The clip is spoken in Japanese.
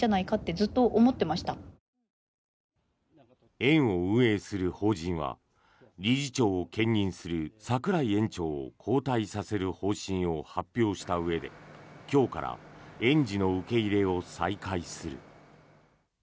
園を運営する法人は理事長を兼任する櫻井園長を交代させる方針を発表したうえで今日から園児の受け入れを再開する。